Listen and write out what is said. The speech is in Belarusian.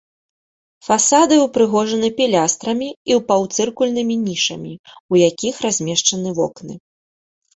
Фасады ўпрыгожаны пілястрамі і паўцыркульнымі нішамі, у якіх размешчаны вокны.